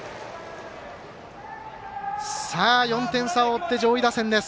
４点差を追って上位打線です。